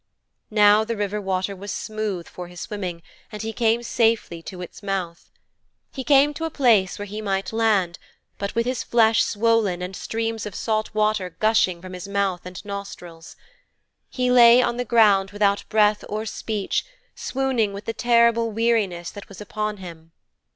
Now the river water was smooth for his swimming, and he came safely to its mouth. He came to a place where he might land, but with his flesh swollen and streams of salt water gushing from his mouth and nostrils. He lay on the ground without breath or speech, swooning with the terrible weariness that was upon him.